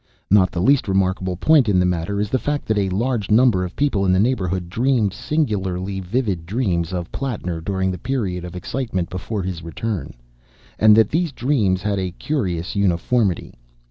Not the least remarkable point in the matter is the fact that a large number of people in the neighbourhood dreamed singularly vivid dreams of Plattner during the period of excitement before his return, and that these dreams had a curious uniformity.